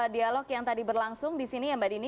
dialog yang tadi berlangsung di sini ya mbak dini